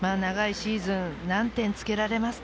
長いシーズン、何点をつけられますか？